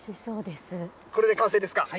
これで完成ですか？